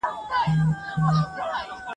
ابن خلدون د اقتصاد د بدلون په اړه هم بحث کوي.